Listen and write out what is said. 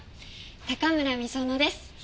高村美園です。